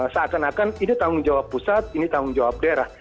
seakan akan ini tanggung jawab pusat ini tanggung jawab daerah